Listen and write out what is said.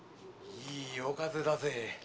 いい夜風だぜ。